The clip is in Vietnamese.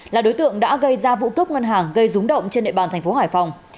là đối tượng đã gây ra vụ cướp ngân hàng gây rúng động trên địa bàn tp hải phòng